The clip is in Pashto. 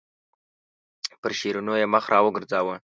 پر شیرینو یې مخ راوګرځاوه.